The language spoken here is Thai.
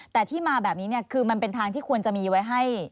แต่ที่มาแบบนี้คือมันเป็นทางที่ควรจะมีไว้ให้